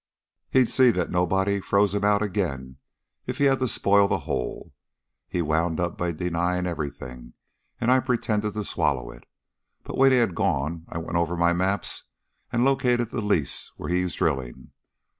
He'd see that nobody froze him out again if he had to spoil the hole. He wound up by denying everything, and I pretended to swallow it, but when he had gone I went over my maps and located the lease where he's drilling.